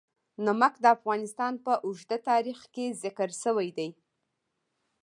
نمک د افغانستان په اوږده تاریخ کې ذکر شوی دی.